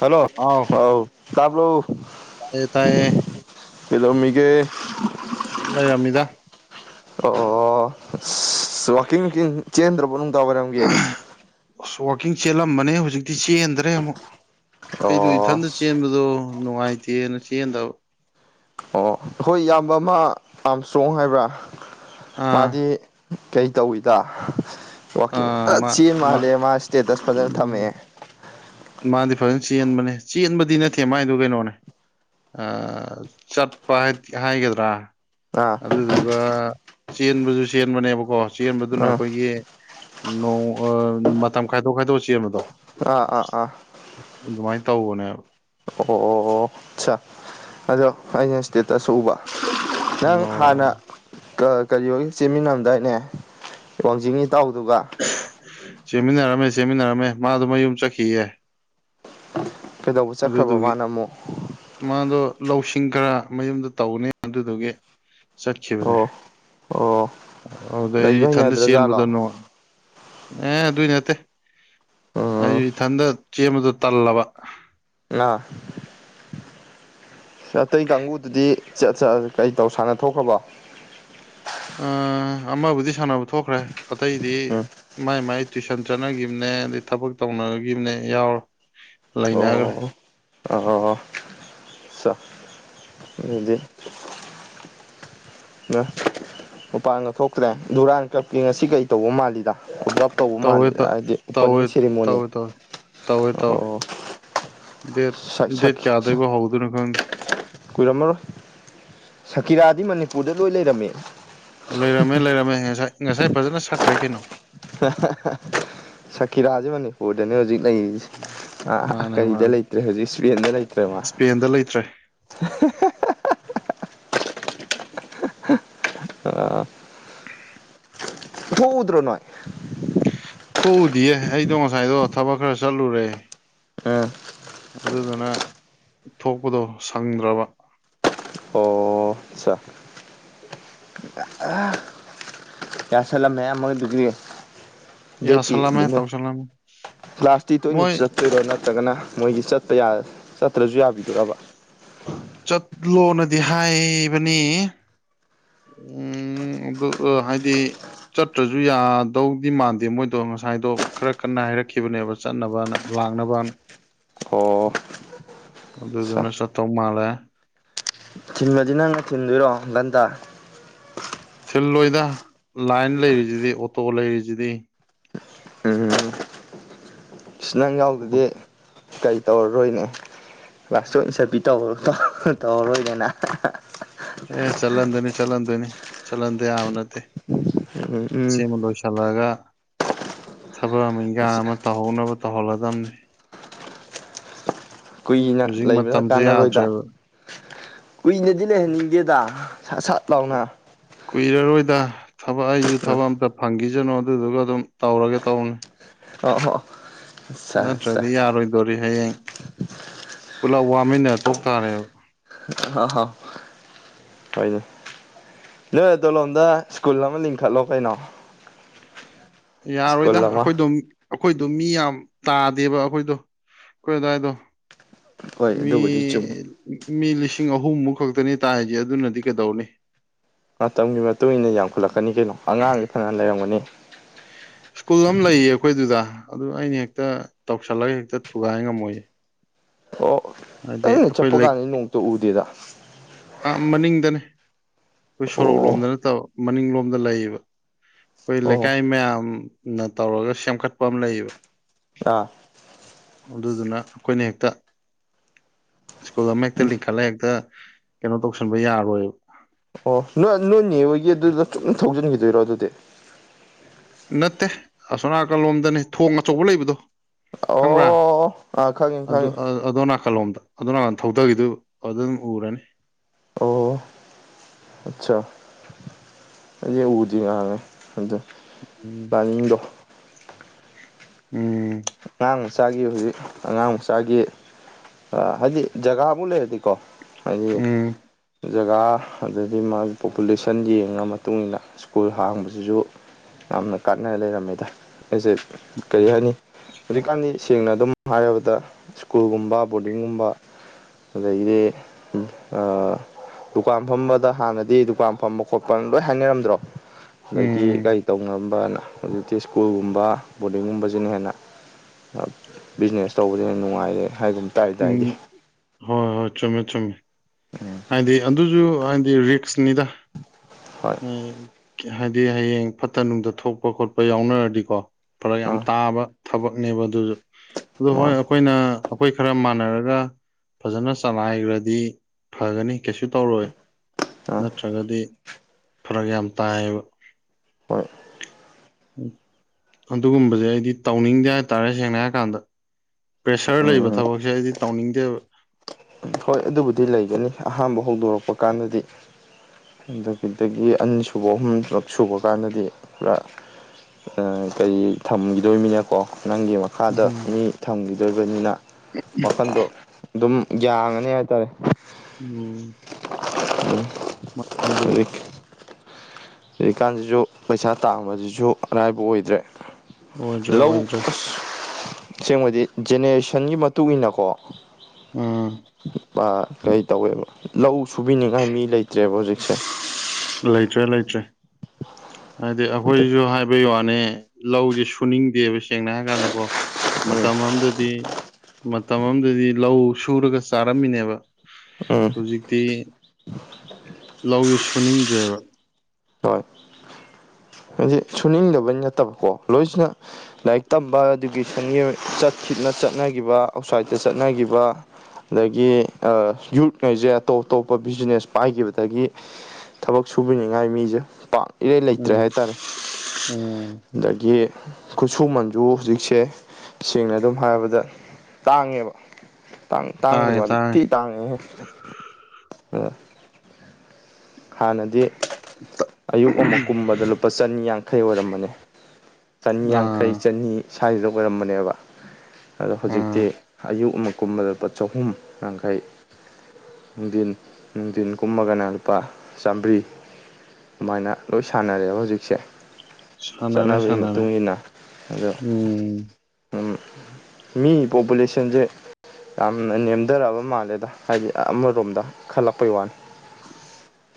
hello ꯑꯥꯎ ꯀꯥꯕꯕꯨ ꯇꯌꯦ ꯇꯥꯏꯌꯦ ꯏꯗꯣ ꯃꯤꯒ ꯁꯨ ꯌꯥꯝꯃꯤꯗ ꯑꯣ ꯑꯁ ꯋꯥꯋꯥꯛꯀꯤꯡ ꯋꯀꯤꯡ ꯆꯦꯟꯗ꯭ꯔꯕꯣ ꯅꯨꯡꯗꯥꯡ ꯑꯣꯏꯏꯔꯝꯒꯦ ꯑꯁ ꯋꯥꯋꯥꯛꯀꯤꯡ ꯆꯦꯜꯂꯝꯕꯅꯦ ꯍꯧꯖꯤꯛꯇꯤ ꯆꯦꯟꯗ꯭ꯔꯦ ꯑꯃꯨꯛ ꯑꯩꯗ ꯑꯣ ꯏꯊꯟꯇ ꯆꯦꯟꯕꯗꯣ ꯅꯨꯡꯉꯥꯏꯇꯦꯅ ꯆꯦꯟꯗꯕ ꯑꯣ ꯑꯩꯣꯏ ꯏꯌꯥꯝꯕ ꯑꯃ ꯌꯥꯝ ꯏꯁꯇ꯭ꯔꯣꯡ ꯍꯥꯏꯕ꯭ꯔꯥ ꯑꯥ ꯃꯥꯗꯤ ꯀꯩ ꯇꯧꯋꯤꯗ ꯋꯥꯛꯀꯤꯡ ꯑꯥ ꯐꯖ ꯃꯥ ꯆꯦꯟ ꯃꯥꯜꯂꯦ ꯃꯥ ꯏꯁꯇꯦꯇꯁ ꯐꯖꯅ ꯊꯝꯃꯛꯑꯦ ꯎꯝ ꯃꯥꯗꯤ ꯐꯖꯅ ꯆꯦꯟꯕꯅꯦ ꯆꯦꯟꯕꯗꯤ ꯅꯠꯇꯦ ꯃꯥꯏꯗꯨ ꯀꯩꯅꯣꯅꯦ ꯑ ꯆꯠꯄ ꯍꯥꯏꯒꯗ꯭ꯔꯥ ꯑꯥ ꯑꯗꯨꯗꯨꯒ ꯆꯦꯟꯕꯁꯨ ꯆꯦꯟꯕꯅꯦꯕꯀꯣ ꯆꯦꯟꯕꯗꯨꯅ ꯑꯥ ꯑꯩꯈꯣꯏꯒꯤ ꯅꯣꯡ ꯃꯇꯝ ꯈꯥꯏꯗꯣꯛ ꯈꯥꯏꯗꯣꯛꯑ ꯆꯦꯟꯕꯗꯣ ꯑꯥ ꯑꯥ ꯑꯥ ꯑꯗꯨꯃꯥꯏꯅ ꯇꯧꯕꯅꯦꯕ ꯑꯣ ꯑꯆꯥ ꯑꯗꯣ ꯑꯩꯅ ꯏꯁꯇꯦꯇꯁ ꯎꯕ ꯅꯪ ꯍꯥꯟꯅ ꯑꯣ ꯀꯔꯤ ꯑꯣꯏ ꯆꯦꯟꯃꯤꯟꯅꯝꯗꯥꯏꯅꯦ ꯋꯥꯡꯖꯤꯡ ꯏꯇꯥꯎꯗꯨꯒ ꯁꯦꯝꯃꯤꯟꯅꯔꯝꯃꯦ ꯆꯃꯤꯟꯅꯔꯝꯃꯦ ꯃꯥꯗꯨ ꯃꯌꯨꯝ ꯆꯠꯈꯤꯌꯦ ꯀꯩꯗꯧꯕ ꯆꯠꯈ꯭ꯔꯕ ꯑꯗꯨꯗꯨꯒꯤ ꯃꯥꯅ ꯑꯃꯨꯛ ꯃꯥꯗꯣ ꯂꯧꯁꯤꯡ ꯈꯔ ꯃꯌꯨꯝꯗ ꯇꯧꯅꯤ ꯑꯗꯨꯗꯨꯒꯤ ꯆꯠꯈꯤꯕꯅꯦ ꯑꯣ ꯑꯣ ꯑꯗꯨꯗꯩ ꯂꯩꯕ ꯏꯊꯟꯇ ꯆꯦꯟꯕꯗ ꯍꯩꯅꯗ꯭ꯔꯖꯥꯠꯂꯣ ꯅꯨꯡꯉ ꯑꯦ ꯑꯗꯨꯏ ꯅꯠꯇꯦ ꯑꯩ ꯎꯝ ꯏꯊꯟꯇ ꯆꯦꯟꯕꯗꯣ ꯇꯜꯂꯕ ꯑ ꯑꯇꯩ ꯀꯥꯡꯕꯨꯨꯗꯨꯗꯤꯠ ꯆꯠ ꯀꯩ ꯇꯧ ꯁꯥꯟꯅ ꯊꯣꯛꯈ꯭ꯔꯕꯣ ꯑ ꯑꯃꯕꯨꯗꯤ ꯁꯥꯟꯅꯕ ꯊꯣꯛꯈ꯭ꯔꯦ ꯑꯇꯩꯗꯤ ꯎꯝ ꯃꯥꯏ ꯃꯥꯏ ꯇꯨꯏꯁꯟ ꯆꯠꯅꯒꯤꯈꯤꯕꯅꯦ ꯑꯗꯩ ꯊꯕꯛ ꯇꯧꯅꯒꯤꯅꯦ ꯌꯥꯎꯔꯣ ꯑꯣ ꯑꯣ ꯆꯥ ꯑꯗꯨꯗꯤ ꯎ ꯃꯄꯥꯟ ꯉꯥꯛ ꯊꯣꯛꯇ꯭ꯔꯦ ꯨꯔꯥꯟ ꯀꯞꯀꯤ ꯉꯁꯤ ꯀꯩ ꯇꯧꯕ ꯃꯥꯜꯂꯤꯗꯂꯞ ꯇꯧꯕ ꯇꯧꯋꯦ ꯃꯥꯜꯂꯤꯦꯗ ꯍꯥꯏꯗꯤ ꯇꯧꯋꯦ ꯑꯣꯄꯅꯤꯡ ꯁꯦꯔꯤꯃꯣꯅꯤ ꯇꯧꯋꯦ ꯇꯧꯋꯦ ꯇꯧꯋꯦ ꯇꯧꯋꯦ ꯑꯣ ꯗꯦꯠ ꯗꯦꯠ ꯆꯥꯗꯣꯏꯐꯥꯎ ꯍꯧꯗꯣꯏꯅꯣ ꯈꯪꯗꯦ ꯀꯨꯏꯔꯝꯃꯔꯣꯏ ꯁꯀꯤꯔꯥꯗꯤ ꯃꯅꯤꯄꯨꯔꯗ ꯂꯣꯏ ꯂꯩꯔꯝꯃꯦ ꯂꯩꯔꯝꯃꯦ ꯂꯩꯔꯝꯃꯦ ꯉꯁꯥꯏ ꯉꯁꯥꯏ ꯐꯖꯅ ꯁꯛꯈ꯭ꯔꯦ ꯀꯩꯅꯣ ꯁꯀꯤꯤꯔꯥꯁꯦ ꯃꯅꯤ ꯍꯣꯗꯅꯦ ꯍꯧꯖꯤꯛ ꯂꯩ ꯑꯥ ꯃꯥꯅꯦ ꯀꯔꯤꯗ ꯃꯥꯅꯦ ꯂꯩꯇ꯭ꯔꯦ ꯍꯧꯖꯤꯛ ꯁꯦꯟꯗ ꯂꯩꯇ꯭ꯔꯦꯃ ꯏꯁꯄꯦꯟꯗ ꯂꯩꯇ꯭ꯔꯦ ꯊꯧꯗ꯭ꯔꯣ ꯅꯣꯏ ꯊꯣꯛꯎꯗꯤꯌꯦ ꯑꯩꯗꯣ ꯉꯁꯥꯏꯗꯣ ꯊꯕꯛ ꯈꯔ ꯆꯠꯂꯨꯔꯦ ꯑ ꯑꯗꯨꯗꯨꯅ ꯊꯣꯛꯄꯗꯣ ꯁꯪꯗ꯭ꯔꯕ ꯑꯣ ꯑꯠꯆꯥ ꯌꯥꯁꯂ ꯃꯌꯥꯝ ꯑꯃ ꯗꯨꯒꯔꯤ ꯗꯦꯠꯇꯤ ꯌꯥꯁꯜꯂꯝꯃꯦ ꯇꯧꯁꯜꯂꯝꯃꯦ ꯂꯥꯁꯇꯤ ꯇꯣꯏꯅ ꯃꯣꯏ ꯆꯠꯇꯣꯏꯔꯣ ꯅꯠꯇ ꯅꯠꯇ꯭ꯔꯒꯅ ꯃꯣꯏꯒꯤ ꯆꯄ ꯆꯠꯇ꯭ꯔꯁꯨ ꯌꯥꯕꯤꯗꯕ ꯆꯠꯂꯣꯅꯗꯤ ꯍꯥꯏꯕꯅꯤ ꯎꯝ ꯑꯗꯨ ꯍꯥꯏꯗꯤ ꯆꯠꯇ꯭ꯔꯁꯨ ꯌꯥꯗꯧꯗꯤ ꯃꯥꯟꯗꯦ ꯃꯣꯏꯗꯣ ꯉꯁꯥꯏꯗꯣ ꯈꯔ ꯀꯟꯅ ꯍꯥꯏꯔꯛꯈꯤꯕꯅꯦꯕ ꯆꯠꯅꯕꯅ ꯂꯥꯡꯅꯕ ꯑꯣ ꯑꯗꯨ ꯁꯥ ꯑꯗꯨꯅ ꯁꯇ ꯃꯥꯂꯦ ꯊꯤꯟꯕꯗꯤ ꯅꯪꯅ ꯊꯤꯟꯗꯣꯏꯔꯣ ꯟꯇꯥ ꯊꯤꯜꯂꯣꯏꯗ ꯂꯥꯏꯟ ꯂꯩꯔꯤꯁꯤꯗꯤ ꯑꯣꯇꯣ ꯂꯩꯔꯤꯁꯤꯗꯤ ꯀ꯭ꯔꯤꯁꯅꯪ ꯌꯥꯎꯗꯗꯤ ꯀꯩ ꯇꯧꯔꯔꯣꯏꯅꯦ ꯀ꯭ꯂꯥꯁꯇ ꯏꯟꯁꯔꯄꯤ ꯇꯧꯔꯣꯧ ꯇꯧꯔꯔꯣꯏꯗꯅ ꯑꯦ ꯆꯠꯍꯟꯗꯣꯏꯅꯤ ꯆꯠꯍꯟꯗꯣꯏꯅꯤ ꯆꯜꯍꯟꯗꯦ ꯑꯕ ꯅꯠꯇꯦ ꯎꯝ ꯎꯝ ꯁꯤꯦꯃ ꯂꯣꯁꯂꯥꯒ ꯊꯕꯛ ꯑꯃ ꯏꯪꯈꯥꯡ ꯑꯁ ꯑꯃ ꯇꯧꯍꯧꯅꯕ ꯇꯧꯍꯜꯂꯗꯝꯅꯤ ꯀꯨꯏꯅ ꯍꯧꯖꯤꯛ ꯂꯩꯕꯗ ꯃꯇꯝꯁꯦ ꯀꯥꯟꯅꯔꯣꯏꯗ ꯌꯥꯗ꯭ꯔꯦꯕ ꯀꯨꯏꯅꯗꯤ ꯂꯩꯍꯟꯅꯤꯡꯗꯦꯗ ꯁꯥꯠ ꯁꯠ ꯂꯥꯎꯅ ꯀꯨꯏꯔꯔꯣꯏꯗ ꯊꯕꯛ ꯑꯩꯁꯨ ꯑ ꯊꯕꯛ ꯑꯝꯇ ꯐꯪꯈꯤꯖꯅꯨ ꯑꯗꯨꯗꯨꯒ ꯑꯗꯨꯝ ꯇꯧꯔꯒꯦ ꯇꯧꯅꯤ ꯑ ꯍꯣ ꯑꯠꯆꯥ ꯑꯠꯆꯥ ꯅꯠꯇ꯭ꯔꯗꯤ ꯌꯥꯔꯣꯏꯗꯣꯔꯤ ꯍꯌꯦꯡ ꯄꯨꯂꯞ ꯋꯥꯃꯤꯟꯅ ꯇꯣꯛ ꯇꯥꯔꯦꯕ ꯑ ꯍ ꯍꯣꯏꯅꯦ ꯅꯣꯏꯗꯣꯂꯣꯝꯗ ꯁ꯭ꯀꯨꯜ ꯑꯃ ꯂꯤꯡꯈꯠꯂꯣ ꯀꯩꯅꯣ ꯁ꯭ꯀꯨꯜ ꯌꯥꯔꯣꯏꯗ ꯑꯃ ꯑꯩꯈꯣꯏꯗꯣ ꯑꯩꯈꯣꯏꯗꯣ ꯃꯤ ꯌꯥꯝ ꯇꯥꯗꯦꯕ ꯑꯩꯈꯣꯏꯗꯣ ꯑꯩꯈꯣꯏ ꯑꯗꯨꯋꯥꯏꯗꯣ ꯍꯣꯏ ꯃꯤ ꯑꯗꯨꯕꯨꯗꯤ ꯆꯨꯝꯃꯤ ꯃꯤ ꯂꯤꯁꯤꯡ ꯑꯍꯨꯝꯃꯨꯛ ꯈꯛꯇꯅꯤ ꯇꯥꯏꯖꯦ ꯑꯗꯨꯅꯗꯤ ꯀꯩꯗꯧꯅꯤ ꯃꯇꯝꯒꯤ ꯃꯇꯨꯡ ꯏꯟꯅ ꯌꯥꯝꯈꯠꯂꯛꯀꯅꯤ ꯀꯩꯅꯣ ꯑꯉꯥꯡꯗꯤ ꯐꯅ ꯂꯩꯔꯝꯒꯅꯤ ꯁ꯭ꯀꯨꯜ ꯑꯃ ꯂꯩꯌꯦ ꯑꯩꯈꯣꯏ ꯑꯗꯨꯗ ꯑꯗꯨ ꯑꯩꯅ ꯍꯦꯛꯇ ꯇꯧꯁꯜꯂꯒ ꯍꯦꯛꯇ ꯊꯨꯒꯥꯏ ꯉꯝꯃꯣꯏꯌꯦ ꯊꯣ ꯍꯥꯏꯗꯤ ꯑꯩꯈꯣꯏ ꯂꯩ ꯍꯥ ꯃꯅꯤꯡꯗꯅꯤ ꯑꯈꯣꯏ ꯁꯣꯔꯣꯛ ꯑꯣ ꯂꯣꯝꯗ ꯅꯠꯇꯕ ꯃꯅꯤꯡꯂꯣꯝꯗ ꯂꯩꯌꯦꯕ ꯑꯩꯈꯣꯏ ꯑꯣ ꯂꯩꯀꯥꯏ ꯃꯌꯥꯝ ꯅ ꯇꯧꯔꯒ ꯁꯦꯝꯒꯠꯄ ꯑꯃ ꯂꯩꯌꯦꯕ ꯑꯥ ꯑꯗꯨꯗꯨꯅ ꯑꯩꯈꯣꯏꯅ ꯍꯦꯛꯇ ꯁ꯭ꯀꯨꯜ ꯑꯃ ꯍꯦꯛꯇ ꯂꯤꯡꯈꯠꯂ ꯍꯦꯛꯇ ꯀꯩꯅꯣ ꯇꯧꯁꯟꯕ ꯌꯥꯔꯣꯏꯕ ꯑꯣ ꯅꯣꯏ ꯑ ꯅꯣꯏꯅꯦ ꯑꯣꯏꯒꯤꯗꯨꯗ ꯆꯨꯝ ꯊꯧꯖꯤꯟꯒꯤꯗꯣꯏꯔꯣ ꯑꯗꯨꯗꯤ ꯅꯠꯇꯦ ꯑꯁꯣꯅꯥꯀꯜꯂꯣꯝꯗꯅꯤ ꯊꯣꯡ ꯑꯆꯧꯕ ꯂꯩꯕꯗꯣ ꯈꯪꯕ꯭ꯔꯥ ꯑꯣ ꯑꯥ ꯈꯪꯉꯦ ꯑꯗꯨ ꯈꯪꯉꯦ ꯑ ꯑꯗꯣ ꯅꯥꯀꯜꯂꯣꯝꯗ ꯑꯗꯣ ꯅꯥꯀꯟ ꯊꯧꯗꯒꯤꯗꯨꯕ ꯑꯗꯨꯗ ꯑꯗꯨꯝ ꯎꯔꯅꯤ ꯑꯠꯆꯥꯥ ꯑꯩꯗꯤ ꯎꯗꯤ ꯉꯥꯡꯉꯦ ꯑꯗ ꯎꯝ ꯄ꯭ꯂꯥꯅꯤꯡꯗꯣ ꯎꯝ ꯑꯉꯥꯡ ꯃꯆꯥꯒꯤ ꯍꯧꯖꯤꯛ ꯑꯉꯥꯡ ꯃꯆꯥꯒꯤ ꯑ ꯍꯥꯏꯗꯤ ꯖꯒꯥꯕꯨ ꯂꯩꯔꯗꯤ ꯀꯣ ꯍꯥꯏꯗꯤ ꯎꯝ ꯖꯒꯥ ꯑꯗꯒꯤ ꯃꯥꯒꯤ ꯄꯣꯄꯨꯂꯦꯁꯟ ꯌꯦꯡꯉꯒ ꯃꯇꯨꯡꯗ ꯁ꯭ꯀꯨꯜ ꯍꯥꯡꯕꯖꯤꯁꯨ ꯌꯥꯝꯅ ꯀꯥꯟꯅ ꯂꯩꯔꯝꯃꯦꯗ ꯑꯩꯖꯦ ꯀꯩ ꯍꯥꯏꯅꯤ ꯍꯧꯖꯤꯛꯀꯥꯟꯗꯤ ꯁꯦꯡꯅ ꯑꯗꯨꯝ ꯍꯥꯏꯔꯕꯗ ꯁ꯭ꯀꯨꯜꯒꯨꯝꯕ ꯕꯣꯔꯗꯤꯡꯒꯨꯝꯕ ꯑꯗꯩꯗꯤ [unintelligible] ꯑ ꯗꯨꯀꯥꯟ ꯐꯝꯕꯗ ꯍꯥꯟꯅꯗꯤ ꯗꯨꯀꯥꯟ ꯐꯝꯕ ꯈꯣꯠꯄꯅ ꯂꯣꯏ ꯍꯥꯏꯅꯔꯝꯗ꯭ꯔꯣ ꯑꯗꯒꯤ ꯎꯝ ꯀꯔꯤ ꯇꯧ ꯉꯝꯕꯅ ꯍꯧꯖꯤꯛꯇꯤ ꯁ꯭ꯀꯨꯜꯒꯨꯝꯕ ꯕꯣꯔꯗꯤꯡꯒꯨꯝꯕꯖꯤꯅ ꯍꯦꯟꯅ ꯕꯤꯖꯤꯅꯦꯁ ꯇꯧꯕꯗ [unintelligible] ꯅꯨꯡꯉꯥꯏꯔꯦ ꯍꯥꯏꯒꯨꯝ ꯇꯥꯏꯗ ꯎꯝ ꯑꯩꯗꯤ ꯍꯣꯏ ꯍꯣꯏ ꯆꯨꯝꯃꯦ ꯆꯨꯝꯃꯦ [unintelligible] ꯍꯥꯏꯗꯤ ꯑꯗꯨꯖꯨ ꯍꯥꯏꯗꯤ ꯔꯤꯛꯁꯅꯤꯗ ꯍꯣꯏ ꯍꯥꯏꯗꯤ ꯍꯌꯦꯡ ꯐꯠꯇ ꯅꯨꯡꯗ ꯊꯣꯛꯄ ꯈꯣꯠꯄ ꯌꯥꯎꯅꯔꯗꯤꯀꯣ ꯐꯔꯛ ꯌꯥꯝ ꯑꯥ ꯇꯥꯕ ꯊꯕꯛꯅꯦꯕ ꯑꯗꯨꯖꯨ ꯑꯗꯣ ꯃꯥ ꯍꯣꯏ ꯑꯩꯈꯣꯏꯅ ꯑꯩꯈꯣꯏ ꯈꯔ ꯃꯥꯟꯅꯔꯒ ꯐꯖꯅ ꯆꯂꯥꯏꯒ꯭ꯔꯗꯤ ꯐꯒꯅꯤ ꯀꯩꯁꯨ ꯇꯧꯔꯣꯏ ꯑꯥ ꯅꯠꯇ꯭ꯔꯒꯗꯤ ꯐꯔꯛ ꯌꯥꯝ ꯇꯥꯏꯕ ꯍꯣꯏ ꯑꯗꯨꯒꯨꯝꯕꯖꯦ ꯑꯩꯗꯤ ꯇꯧꯅꯤꯡꯗꯦ ꯍꯥꯏꯇꯥꯔꯦ ꯁꯦꯡꯅ ꯍꯥꯏꯔ ꯀꯥꯟꯗ ꯄ꯭ꯔꯦꯁꯔ ꯂꯩꯕ ꯎꯝ ꯊꯕꯛꯁꯦ ꯑꯩꯗꯤ ꯇꯧꯅꯤꯡꯗꯦꯕ ꯍꯣꯏ ꯑꯗꯨꯕꯨꯗꯤ ꯂꯩꯒꯅꯤ ꯑꯍꯥꯟꯕ ꯍꯧꯗꯣꯔꯛꯄ ꯀꯥꯟꯗꯗꯤ ꯑꯗꯨꯒꯤꯗꯒꯤ ꯑꯅꯤꯁꯨꯨꯕ ꯑꯍꯨꯝ ꯄꯨꯂꯞ ꯁꯨꯕ ꯀꯥꯟꯗꯗꯤ ꯄꯨꯔꯥ ꯑ ꯀꯔꯤ ꯊꯝꯒꯤꯗꯣꯏꯃꯤꯅ ꯀꯣ ꯅꯪꯒꯤ ꯃꯥ ꯈꯥꯗ ꯎꯝ ꯃꯤ ꯊꯝꯒꯤꯗꯣꯕꯅꯤꯅ ꯋꯥꯈꯟꯗꯣ ꯑꯗꯨꯝ ꯌꯥꯉꯅꯤ ꯍꯥꯏꯇꯥꯔꯦ ꯎꯝ ꯃꯥꯅꯦ, ꯑꯗꯨꯕꯨꯗꯤ [unintelligible] ꯍꯧꯖꯤꯛꯀꯥꯟꯖꯤꯖꯨ ꯄꯩꯁꯥ ꯇꯥꯡꯕꯁꯖꯤꯁꯨ ꯑꯔꯥꯏꯕ ꯑꯣꯏꯗ꯭ꯔꯦ ꯑꯣꯏꯗ꯭ꯔꯦ ꯂꯧ ꯑꯣꯏꯗ꯭ꯔꯦ ꯑꯁꯦꯡꯕꯗꯤ ꯖꯦꯅꯦꯔꯦꯁꯟꯒꯤ ꯃꯇꯨꯡꯏꯟꯅꯀꯣ ꯎꯝ ꯑ ꯀꯩ ꯇꯧꯋꯦꯕ ꯂꯧ ꯁꯨꯕꯤꯅꯤꯡꯉꯥꯏ ꯃꯤ ꯂꯩꯇ꯭ꯔꯦꯕ ꯍꯧꯖꯤꯛ ꯁꯦꯁ ꯂꯩꯇ꯭ꯔꯦ ꯂꯩꯇ꯭ꯔꯦ ꯍꯥꯏꯗꯤ ꯑꯩꯈꯣꯏꯁꯨ ꯍꯥꯏꯕꯩ ꯋꯥꯅꯤ ꯂꯧꯖꯦ ꯁꯨꯅꯤꯡꯗꯦꯕ ꯁꯦꯡꯅ ꯍꯥꯏꯔ ꯀꯥꯟꯗꯀꯣ ꯎꯝ ꯃꯇꯝ ꯑꯃꯗꯗꯤ ꯃꯇꯝ ꯑꯃꯗꯗꯤ ꯂꯧ ꯁꯨꯔꯒ ꯆꯥꯔꯝꯃꯤꯅꯦꯕ ꯎꯝ ꯍꯧꯖꯤꯛꯇꯤ ꯂꯧꯁꯦ ꯁꯨꯅꯤꯡꯗ꯭ꯔꯦꯕ ꯍꯣꯏ ꯍꯥꯏ ꯁꯨꯅꯤꯡꯗꯕꯩ ꯅꯠꯇꯕꯀꯣ ꯂꯣꯏꯁꯤꯅ ꯂꯥꯏꯔꯤꯛ ꯇꯝꯕ ꯏꯗꯨꯀꯦꯁꯟꯒꯤ ꯆꯅ ꯆꯠꯅꯈꯤꯕ ꯑꯥꯎꯠꯁꯥꯏꯗꯠꯇ ꯆꯠꯅꯈꯤꯕ ꯑꯗꯒꯤ ꯌꯨꯠꯉꯩꯁꯦ ꯑꯇꯣꯞ ꯑꯇꯣꯞꯄ ꯕꯤꯖꯤꯅꯦꯁ ꯄꯥꯏꯈꯤꯕꯗꯒꯤ ꯊꯕꯛ ꯁꯨꯕꯤꯅꯤꯉꯥꯏ ꯃꯤꯁꯦ ꯄꯥꯛ ꯏꯔꯩ ꯂꯩꯇ꯭ꯔꯦ ꯎꯝ ꯍꯥꯏ ꯎꯝ ꯑꯗꯒꯤ ꯈꯨꯠꯁꯨꯃꯟꯁꯨ ꯍꯧꯖꯤꯛꯁꯦ ꯁꯦꯡꯅ ꯑꯗꯨꯝ ꯍꯥꯏꯔꯕꯗ ꯇꯥꯡꯉꯦꯕ ꯇꯥꯡꯕꯒꯤ ꯇꯥꯏꯌꯦ ꯋꯥꯗꯤ ꯇꯥꯏꯌꯦ ꯊꯤ ꯇꯥꯡꯉꯦ ꯍꯥꯟꯅꯗꯤ ꯑꯌꯨꯛ ꯑꯃꯛ ꯀꯨꯝꯕꯗ ꯂꯨꯄꯥ ꯆꯅꯤ ꯌꯥꯡꯈꯩ ꯑꯣꯏꯔꯝꯕꯅꯤ ꯆꯅꯤ ꯌꯥꯡꯈꯩ ꯑꯥ ꯆꯅꯤ ꯁ꯭ꯋꯥꯏꯁꯤꯗ ꯑꯣꯏꯔꯝꯕꯅꯦꯕ ꯑꯗꯣ ꯍꯧꯖꯤꯛꯇꯤ ꯑꯥ ꯑꯌꯨꯛ ꯑꯃ ꯀꯨꯝꯕꯗ ꯂꯨꯄꯥ ꯆꯍꯨꯝ ꯌꯥꯡꯈꯩ ꯅꯨꯡꯊꯤꯟ ꯅꯨꯡꯊꯤꯟ ꯀꯨꯝꯃꯒꯅ ꯂꯨꯄꯥ ꯆꯥꯝꯕꯔꯤ ꯑꯗꯨꯃꯥꯏꯅ ꯂꯣꯏ ꯁꯥꯟꯅꯔꯦꯕ ꯍꯧꯖꯤꯛꯁꯦ ꯁꯥꯟꯅꯔꯦ ꯆꯠꯅꯕꯒꯤ ꯁꯥꯟꯅꯔꯦ ꯃꯇꯨꯡ ꯏꯟꯅ ꯑꯗꯣ ꯎꯝ ꯎꯝ ꯃꯤ ꯄꯣꯄꯨꯂꯦꯁꯟꯁꯦ ꯌꯥꯝꯅ ꯅꯦꯝꯊꯔꯛꯑꯕ ꯃꯥꯜꯂꯦꯗ ꯍꯥꯏꯗꯤ ꯑꯃꯔꯣꯝꯗ ꯈꯜꯂꯛꯄꯩ ꯋꯥꯅꯤ [inaudible]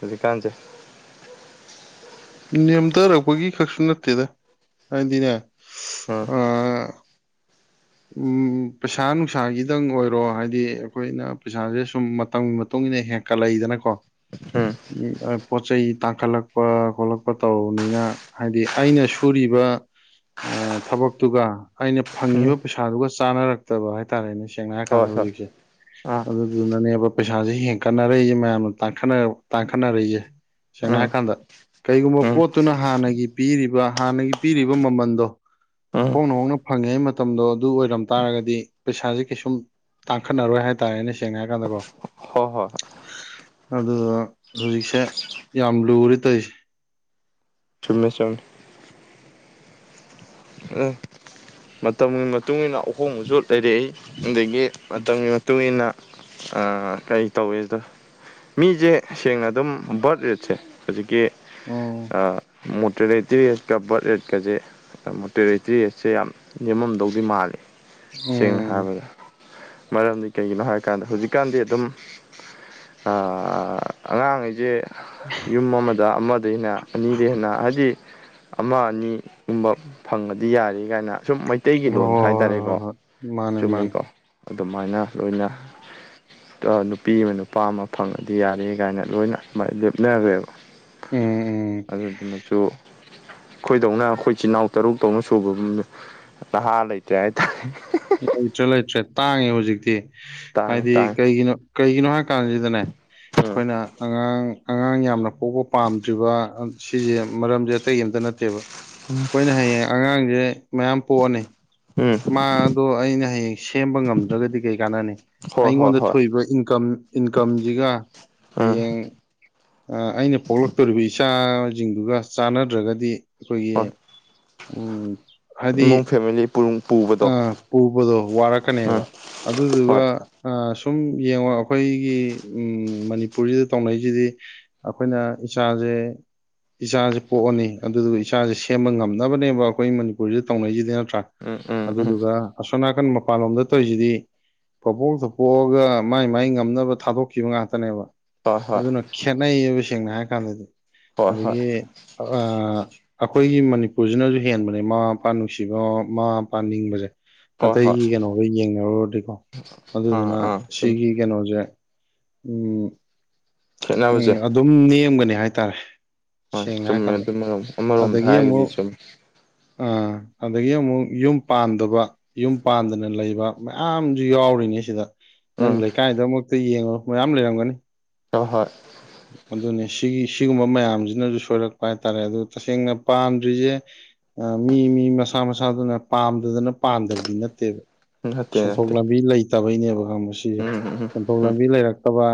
ꯍꯧꯖꯤꯛꯀꯥꯟꯖꯦ ꯅꯦꯝꯊꯔꯛꯄꯒꯤ ꯈꯛꯁꯨ ꯅꯠꯇꯦꯗ ꯍꯥꯏꯗꯤꯅꯦ ꯎꯝ ꯑ ꯎꯝ ꯄꯩꯁꯥ ꯅꯨꯡꯁꯥꯒꯤꯗꯪ ꯑꯣꯏꯔꯣ ꯍꯥꯏꯗꯤ ꯑꯩꯈꯣꯏꯅ ꯄꯩꯁꯥꯁꯦ ꯁꯨꯝ ꯃꯇꯝꯒꯤ ꯃꯇꯨꯡ ꯏꯟꯅ ꯍꯦꯟ ꯀꯂꯛꯏꯗꯅꯀꯣ ꯎꯝ ꯎꯝ ꯄꯣꯠ ꯆꯩꯩ ꯇꯥꯡꯈꯠꯂꯛꯄ ꯈꯣꯠꯂꯛꯄ ꯇꯧꯕꯅꯤꯅ ꯍꯥꯏꯗꯤ ꯑꯩꯅ ꯁꯨꯔꯤꯕ ꯊꯕꯛꯇꯨꯒ ꯑꯩꯅ ꯎꯝ ꯐꯪꯉꯤꯕ ꯄꯩꯁꯥꯗꯨꯒ ꯆꯥꯟꯅꯔꯛꯇꯕ ꯍꯥꯏꯇꯥꯔꯦꯅꯦ ꯁꯦꯡꯅ ꯍꯥꯏꯔ ꯍꯣꯏ ꯀꯥꯟꯗ ꯍꯣꯏ ꯍꯧꯖꯤꯛꯁꯦ ꯑꯥ ꯑꯗꯨ ꯑꯗꯨꯅꯅꯦꯕ ꯄꯩꯁꯥꯁꯦ ꯍꯦꯟꯀꯠꯅꯔꯛꯏꯁꯦ ꯃꯌꯥꯝꯅ ꯇꯥꯡꯈꯠꯅꯔꯛꯏꯁꯦ ꯁꯦꯡꯅ ꯎꯝ ꯍꯥꯏꯔ ꯀꯥꯟꯗ ꯀꯩꯒꯨꯝꯕ ꯎꯝ ꯄꯣꯠꯇꯨꯅ ꯍꯥꯟꯅꯒꯤ ꯄꯤꯔꯤꯕ ꯍꯥꯟꯅꯒꯤ ꯄꯤꯔꯤꯕ ꯃꯃꯟꯗꯣ ꯎꯝ ꯍꯣꯡꯅ ꯍꯣꯡꯅ ꯐꯪꯉꯦ ꯃꯇꯝꯗꯣ ꯑꯗꯨ ꯑꯣꯏꯔꯝ ꯇꯥꯔꯒꯗꯤ ꯄꯩꯁꯥꯁꯦ ꯀꯩꯁꯨꯝ ꯇꯥꯡꯈꯠꯅꯔꯣꯏ ꯍꯥꯏꯇꯥꯔꯦ ꯑꯩꯅ ꯁꯦꯡꯅ ꯍꯥꯏꯔ ꯀꯥꯟꯗꯀꯣ ꯍꯣꯏ ꯍꯣꯏ ꯑꯗꯨꯗ ꯍꯧꯖꯤꯛꯁꯦ ꯌꯥꯝ ꯂꯨꯔꯦ ꯇꯩꯁꯦ ꯆꯨꯝꯃꯦ ꯆꯨꯝꯃꯦ ꯃꯇꯝꯒꯤ ꯃꯇꯨꯡꯏꯟꯅ ꯑꯍꯣꯡꯕꯁꯨ ꯂꯩꯔꯛꯏ ꯑꯗꯒꯤ ꯃꯇꯝꯒꯤ ꯇꯨꯡꯏꯟꯅ ꯀꯩ ꯇꯧꯋꯦꯗꯣ ꯃꯤꯁꯦ ꯁꯦꯡꯅ ꯑꯗꯨꯝ ꯕꯥꯔꯠ ꯔꯦꯠꯁꯦ ꯍꯧꯖꯤꯛꯀꯤ ꯑꯣ ꯃꯨꯇ꯭ꯔꯦꯂꯦꯇꯤꯔꯤ ꯀ ꯕꯠ ꯔꯠꯀꯁꯦ ꯇꯦꯔꯤ ꯇꯔꯤꯠꯁꯦ ꯌꯥꯝꯅ ꯅꯦꯝꯃꯝꯗꯧꯗꯤ ꯃꯥꯜꯂꯤ ꯎꯝ ꯍꯥꯏꯕꯗ ꯃꯔꯝꯗꯤ ꯀꯩꯒꯤꯅꯣ ꯍꯥꯏꯀꯥꯟꯗ ꯍꯧꯖꯤꯛꯀꯥꯟꯗꯤ ꯑꯗꯨꯝ ꯑꯉꯥꯡꯈꯩꯁꯦ ꯌꯨꯝ ꯑꯃꯗ ꯑꯃꯗꯩ ꯍꯦꯟ ꯅ ꯑꯅꯤꯗꯩ ꯍꯦꯟ ꯍꯥꯏꯗꯤ ꯑꯃ ꯑꯅꯤꯒꯨꯝꯕ ꯐꯪꯉꯗꯤ ꯌꯥꯔꯤ ꯀꯥꯏꯅ ꯑꯁꯨꯝ ꯃꯩ ꯃꯩꯇꯩꯒꯤ ꯍꯣꯏ ꯍꯣꯏ ꯂꯣꯟꯗ ꯍꯥꯏꯇꯥꯔꯦꯀꯣ ꯍꯣꯏ ꯍꯣꯏ ꯃꯥꯅꯦ ꯃꯥꯅꯦ ꯆꯨꯝꯃꯤꯀꯣ ꯑꯗꯨꯃꯥꯏꯅ ꯂꯣꯏꯅ ꯅꯨꯄꯤ ꯑꯃ ꯅꯨꯄꯥ ꯑꯃ ꯐꯪꯉꯗꯤ ꯌꯥꯔꯦ ꯀꯥꯏꯅ ꯂꯣꯏꯅ ꯑꯗꯨꯃꯥꯏꯅ ꯂꯦꯞꯅꯈ꯭ꯔꯦꯕ ꯎꯝ ꯎꯝ ꯑꯗꯨꯗꯨꯅꯁꯨ ꯑꯩꯈꯣꯏꯗꯧꯅ ꯑꯩꯈꯣꯏ ꯏꯆꯤꯜ ꯏꯅꯥꯎ ꯇꯔꯨꯛ ꯇꯧꯅ ꯁꯨꯕ ꯅꯍꯥ ꯂꯩꯇꯦ ꯍꯥꯏꯇꯥꯔꯦ ꯂꯩꯇ꯭ꯔꯦ ꯂꯩꯇ꯭ꯔꯦ ꯇꯥꯡꯉꯦ ꯍꯧꯖꯤꯛꯇꯤ ꯇꯥꯡꯉꯦ ꯍꯥꯏꯗꯤ ꯇꯥꯡꯉꯦ ꯀꯩꯒꯤꯅꯣ ꯀꯩꯒꯤꯅꯣ ꯍꯥꯏ ꯀꯥꯟꯁꯤꯗꯅꯦ ꯎꯝ ꯑꯩꯈꯣꯏꯅ ꯑꯉꯥꯡ ꯑꯉꯥꯡ ꯌꯥꯝꯅ ꯄꯣꯛꯄ ꯄꯥꯝꯗ꯭ꯔꯤꯕ ꯁꯤꯁꯦ ꯃꯔꯝꯁꯦ ꯑꯇꯩ ꯑꯝꯇ ꯅꯠꯇꯦꯕ ꯑꯩꯈꯣꯏꯅ ꯍꯌꯦꯡ ꯑꯉꯥꯡꯁꯦ ꯃꯌꯥꯝ ꯄꯣꯛꯑꯅꯤ ꯎꯝ ꯃꯥꯗꯣ ꯑꯩꯅ ꯍꯌꯦꯡ ꯁꯦꯝꯕ ꯉꯝꯗ꯭ꯔꯒꯗꯤ ꯀꯩ ꯀꯥꯟꯅꯅꯤ ꯍꯣꯏ ꯍꯣꯏ ꯑꯩꯉꯣꯟꯗ ꯍꯣꯏ ꯊꯣꯛꯏꯕ ꯏꯟꯀꯝ ꯏꯟꯀꯝꯁꯤꯒ ꯎꯝ ꯍꯌꯦꯡ ꯑꯥ ꯑꯩꯅ ꯄꯣꯛꯂꯛꯇꯧꯔꯤꯕ ꯏꯆꯥꯁꯤꯡꯗꯨꯒ ꯆꯥꯟꯅꯗ꯭ꯔꯒꯗꯤ ꯑꯩꯈꯣꯏꯒꯤ ꯍꯣꯏ ꯎꯝ ꯏꯃꯨꯡ ꯐꯦꯃꯤꯂꯤ ꯄꯨꯔꯨꯡ ꯄꯨ ꯑ ꯄꯨꯕꯗꯣ ꯋꯥꯔꯛꯀꯅꯦꯕ ꯑꯗꯨꯗꯨꯒ ꯍꯣꯏ ꯑ ꯁꯨꯝ ꯌꯦꯡꯉꯣ ꯑꯩꯈꯣꯏꯒꯤ ꯃꯅꯤꯄꯨꯔꯁꯤꯗ ꯇꯧꯅꯔꯤꯁꯤꯗꯤ ꯑꯩꯈꯣꯏꯅ ꯏꯆꯥꯖꯦ ꯏꯆꯥꯖꯦ ꯄꯣꯛꯑꯅꯤ ꯑꯗꯨꯗꯨꯒ ꯏꯆꯥꯁꯦ ꯁꯦꯝꯕ ꯉꯝꯅꯕꯅꯦꯕ ꯑꯩꯈꯣꯏ ꯃꯅꯤꯄꯨꯔꯁꯤꯗ ꯇꯧꯅꯩꯁꯤꯗꯤ ꯅꯠꯇ꯭ꯔꯥ ꯎꯝ ꯎꯝ ꯎꯝ ꯑꯗꯨꯗꯨꯒ ꯑꯁꯣꯝꯅꯥꯀꯟ ꯃꯄꯥꯟꯂꯣꯝꯗ ꯇꯧꯔꯤꯁꯤꯗꯤ ꯄꯕꯣꯛꯇ ꯄꯣꯛꯑꯒ ꯃꯥꯏ ꯃꯥꯏ ꯉꯝꯅꯕ ꯊꯥꯗꯣꯛꯈꯤꯕ ꯉꯥꯛꯇꯅꯦꯕ ꯍꯣꯏ ꯍꯣꯏ ꯑꯗꯨꯅ ꯈꯦꯠꯅꯩꯕ ꯁꯦꯡꯅ ꯍꯥꯏꯔ ꯀꯥꯟꯗꯗꯤ ꯍꯣꯏ ꯍꯣꯏ ꯑꯗꯒꯤ ꯑ ꯑꯩꯈꯣꯏꯒꯤ ꯃꯅꯤꯄꯨꯔꯁꯤꯅꯁꯨ ꯍꯦꯟꯕꯅꯦ ꯃꯃꯥ ꯃꯄꯥ ꯅꯨꯡꯁꯤꯕ ꯃꯥ ꯄꯥꯅꯤꯡꯕꯁꯦ ꯍꯣꯏ ꯍꯣꯏ ꯑꯇꯩꯒꯤ ꯀꯩꯅꯣꯒ ꯌꯦꯡꯅꯔꯨꯔꯗꯤꯀꯣ ꯑꯥ ꯑꯗꯨꯗꯨꯅ ꯑꯥ ꯁꯨꯝ ꯁꯤꯒꯤ ꯀꯩꯅꯣꯖꯦ ꯎꯝ ꯈꯦꯠꯅꯕꯁꯦ ꯎꯝ ꯑꯗꯨꯝ ꯅꯦꯝꯒꯅꯤ ꯍꯥꯏꯇꯥꯔꯦ ꯍꯣꯏ ꯁꯦꯡꯅ ꯆꯨꯝꯃꯦ ꯍꯥꯏꯔꯀꯥꯟꯗ ꯑꯗꯨꯝ ꯑꯃꯔꯣꯝꯗ ꯑꯗꯒꯤ ꯍꯥꯏꯔꯒꯗꯤ ꯑꯃꯨꯛ ꯆꯨꯝꯃꯦ ꯑ ꯑꯗꯒꯤ ꯑꯃꯨꯛ ꯌꯨꯝ ꯄꯥꯟꯗꯕ ꯌꯨꯝ ꯄꯥꯟꯗꯅ ꯂꯩꯕ ꯃꯌꯥꯝꯁꯨ ꯌꯥꯎꯔꯤꯅꯤ ꯁꯤꯗ ꯅꯪ ꯎꯝ ꯂꯩꯀꯥꯏꯗꯃꯛꯇ ꯌꯦꯡꯉꯨ ꯃꯌꯥꯝ ꯂꯩꯔꯝꯒꯅꯤ ꯇꯧ ꯍꯣꯏ ꯑꯗꯨꯅꯤ ꯁꯤꯒꯤ ꯁꯤꯒꯨꯝꯕ ꯃꯌꯥꯝꯁꯤꯅꯁꯨ ꯁꯣꯏꯔꯛꯄ ꯍꯥꯏꯇꯥꯔꯦ ꯑꯗꯨ ꯇꯁꯦꯡꯅ ꯄꯥꯝꯗ꯭ꯔꯤꯁꯦ ꯑ ꯃꯤ ꯃꯤ ꯃꯁꯥ ꯃꯁꯥꯗꯨꯅ ꯄꯥꯝꯗꯗꯅ ꯄꯥꯟꯗꯕꯗꯤ ꯅꯠꯇꯦꯕ ꯅꯠꯇꯦ ꯁꯦꯟꯊꯣꯛ ꯅꯠꯇꯦ ꯂꯝꯕꯤ ꯂꯩꯇꯕꯩꯅꯦꯕ ꯈꯪꯕ꯭ꯔ ꯁꯤꯖꯦ ꯎꯝ ꯎꯝ ꯊꯣꯡ ꯎꯝ ꯂꯝꯕꯤ ꯂꯩꯔꯛꯇꯕ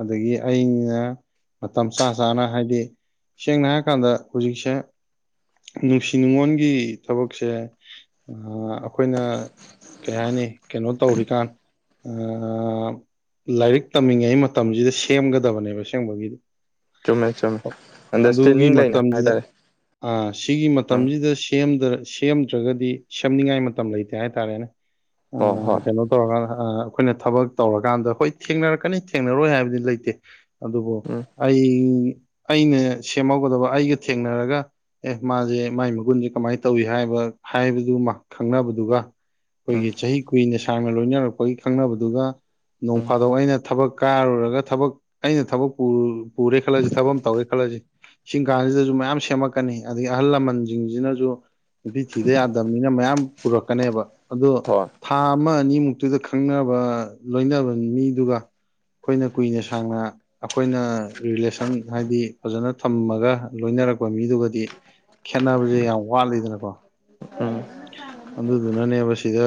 ꯑꯗꯒꯤ ꯑꯩꯅ ꯃꯇꯝ ꯆꯥ ꯆꯥꯅ ꯍꯥꯏꯗꯤ ꯁꯦꯡꯅ ꯍꯥꯏꯔꯀꯥꯟꯗ ꯍꯧꯖꯤꯛꯁꯦ ꯅꯨꯡꯁꯤ ꯅꯨꯡꯉꯣꯟꯒꯤ ꯊꯕꯛꯁꯦ ꯑ ꯑꯩꯈꯣꯏꯅ ꯀꯩ ꯍꯥꯏꯅꯤ ꯀꯩꯅꯣ ꯇꯧꯔꯤꯀꯥꯟ ꯑ ꯂꯥꯏꯔꯤꯛ ꯇꯝꯃꯤꯉꯩ ꯃꯇꯝꯁꯤꯗ ꯁꯦꯝꯒꯗꯕꯅꯦꯕ ꯑꯁꯦꯡꯕꯒꯤꯗꯤ ꯆꯨꯝꯃꯦ ꯆꯨꯝꯃꯦ ꯑꯟꯗꯔꯁ꯭ꯇꯦꯟꯗꯤꯡ ꯂꯩꯅ ꯍꯥꯏꯇꯥꯔꯦ ꯑ ꯁꯤꯒꯤ ꯎꯝ ꯃꯇꯝꯁꯤꯗ ꯁꯦꯝꯗ ꯁꯦꯝꯗ꯭ꯔꯒꯗꯤ ꯁꯦꯝꯅꯤꯡꯉꯥꯏ ꯃꯇꯝ ꯂꯩꯇꯦ ꯍꯥꯏꯇꯥꯔꯦꯅꯦ ꯍꯣꯏ ꯑ ꯍꯣꯏ ꯀꯩꯅꯣ ꯇꯧꯔꯒꯥꯟ ꯑ ꯑꯩꯈꯣꯏꯅ ꯊꯕꯛ ꯇꯧꯔꯀꯥꯟꯗ ꯍꯣꯏ ꯊꯦꯡꯅꯔꯛꯀꯅꯤ ꯊꯦꯡꯅꯔꯣꯏ ꯍꯥꯏꯕꯗꯤ ꯂꯩꯇꯦ ꯑꯗꯨꯕꯨ ꯎꯝ ꯑꯩ ꯑꯩꯅ ꯁꯦꯝꯍꯧꯒꯗꯕ ꯑꯩꯒ ꯊꯦꯡꯅꯔꯒ ꯑꯦ ꯃꯥꯁꯦ ꯃꯥꯒꯤ ꯃꯒꯨꯟꯁꯦ ꯀꯃꯥꯏꯅ ꯇꯧꯏ ꯍꯥꯏꯕ ꯍꯥꯏꯕꯗꯨꯃ ꯈꯪꯅꯕꯗꯨꯒ ꯎꯝ ꯑꯩꯈꯣꯏꯒꯤ ꯆꯍꯤ ꯀꯨꯏꯅ ꯁꯥꯡꯅ ꯂꯣꯏꯅꯔꯛꯄꯒꯤ ꯈꯪꯅꯕꯗꯨꯒ ꯎꯝ ꯅꯣꯡꯐꯥꯗꯣꯛ ꯑꯩꯅ ꯊꯕꯛ ꯀꯥꯔꯨꯔꯒ ꯊꯕꯛ ꯑꯩꯅ ꯊꯕꯛ ꯄꯨ ꯄꯨꯔꯦ ꯈꯜꯂꯁꯤ ꯊꯕꯛꯃ ꯇꯧꯔꯦ ꯈꯜꯂꯁꯤ ꯀꯪꯀꯥꯁꯤꯗꯁꯨ ꯃꯌꯥꯝ ꯁꯦꯝꯃꯛꯀꯅꯤ ꯑꯗꯒꯤ ꯑꯍꯜ ꯂꯃꯟꯁꯤꯡꯁꯤꯅꯁꯨ ꯅꯨꯄꯤ ꯊꯤꯗ ꯌꯥꯗꯕꯅꯤꯅ ꯃꯌꯥꯝ ꯄꯨꯔꯛꯀꯅꯦꯕ ꯑꯗꯣ ꯍꯣꯏ ꯊꯥ ꯑꯃ ꯑꯅꯤꯃꯨꯛꯇꯨꯗ ꯈꯪꯅꯕ ꯂꯣꯏꯅꯕ ꯃꯤꯗꯨꯒ ꯑꯩꯈꯣꯏꯅ ꯀꯨꯏꯅ ꯁꯥꯡꯅ ꯑꯩꯈꯣꯏꯅ ꯔꯤꯂꯦꯁꯟ ꯍꯥꯏꯗꯤ ꯐꯖꯅ ꯊꯝꯃꯒ ꯂꯣꯏꯅꯔꯛꯄ ꯃꯤꯗꯨꯒꯗꯤ ꯈꯦꯠꯅꯕꯁꯦ ꯌꯥꯝ ꯋꯥꯠꯂꯤꯗꯅꯀꯣ ꯎꯝ ꯑꯗꯨꯗꯨꯅꯅꯦꯕ ꯁꯤꯗ